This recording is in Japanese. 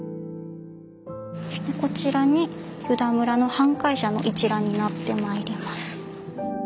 こちらに湯田村の半壊者の一覧になってまいります。